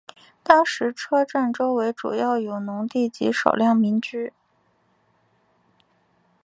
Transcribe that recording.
当时车站周围主要有农地及少量民居。